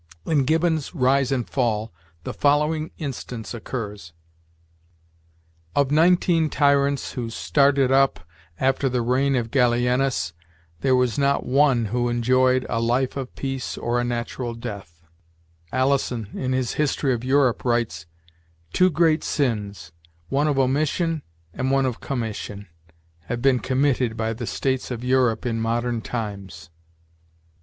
In Gibbon's 'Rise and Fall,' the following instance occurs: 'Of nineteen tyrants who started up after the reign of Gallienus, there was not one who enjoyed a life of peace or a natural death.' Alison, in his 'History of Europe,' writes: 'Two great sins one of omission and one of commission have been committed by the states of Europe in modern times.'